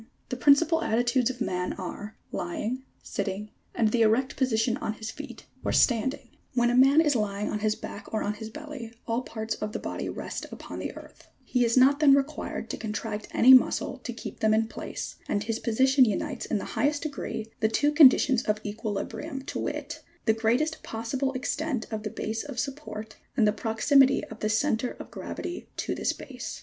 80. The principal attitudes of man are : lying, sitting, and the erect position on his feet, or standing. 81. When a man is lying on his back or on his belly, all parts of the body rest upon the earth : he is not then required to con tract any muscle to keep them in place, and his position unites in the highest degree the two conditions of equilibrium, to wit ; the greatest possible extent of the base of support and the proximity of the centre of gravity to this base.